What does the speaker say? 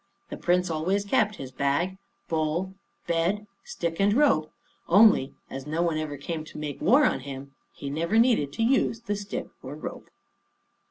The prince always kept his bag, bowl, bed, stick and rope; only, as no one ever came to make war on him, he never needed to use the stick or rope.